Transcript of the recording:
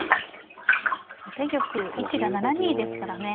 後手玉位置が７二ですからね。